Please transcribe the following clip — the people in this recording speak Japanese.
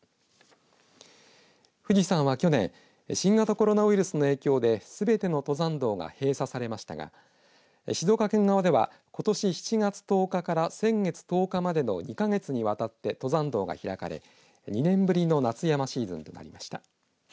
富士山は去年新型コロナウイルスの影響ですべての登山道が閉鎖されましたが静岡県側ではことし７月１０日から先月１０日までの２か月にわたって登山道が開かれ２年ぶりの夏山シーズンとなりました。